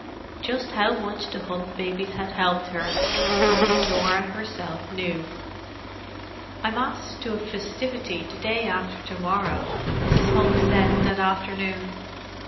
Just how much the Hunt babies had helped her only Norah herself knew. "I'm asked to a festivity the day after to morrow," Mrs. Hunt said that afternoon.